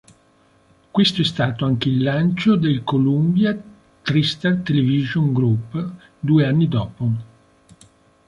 Questo è stato anche il lancio del Columbia TriStar Television Group due anni dopo.